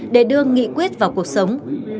để đưa nghị quyết vào cuộc sống